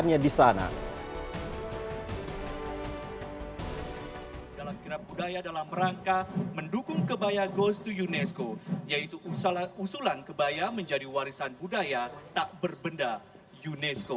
yaitu usulan kebaya menjadi warisan budaya tak berbenda unesco